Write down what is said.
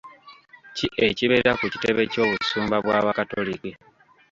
Ki ekibeera ku kitebe ky'obusumba bw'abakatoliki?